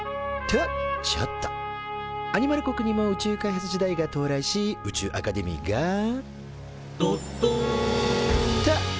アニマル国にも宇宙開発時代が到来し宇宙アカデミーが「どっどん！」と誕生。